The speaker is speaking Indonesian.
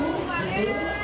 ini enak sekali